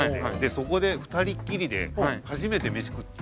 そこで二人きりで初めて飯食って。